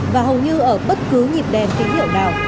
và hầu như ở bất cứ nhịp đèn tín hiệu nào